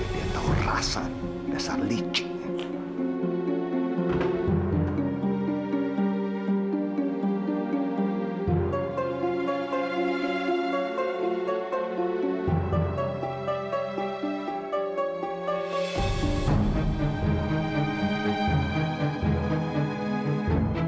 dia tahu rasa dasar liciknya